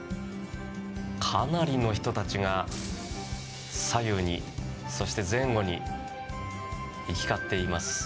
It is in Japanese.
かなりの人たちが左右に、そして前後に行き交っています。